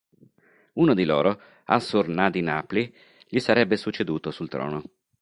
Uno di loro, Assur-nadin-apli, gli sarebbe succeduto sul trono.